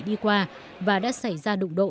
đi qua và đã xảy ra đụng độ